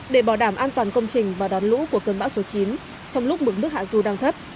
để bảo đảm an toàn công trình và đón lũ của cơn bão số chín trong lúc mực nước hạ du đang thấp